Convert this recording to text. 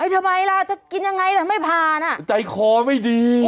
ทำไมล่ะจะกินยังไงแต่ไม่ผ่านใจคอไม่ดี